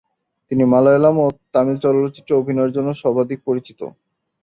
তিনি মালয়ালম ও তামিল চলচ্চিত্রে অভিনয়ের জন্য সর্বাধিক পরিচিত।